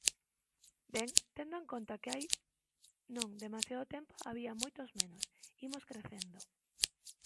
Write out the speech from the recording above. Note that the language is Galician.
Ben, tendo en conta que hai non demasiado tempo había moitas menos, imos crecendo.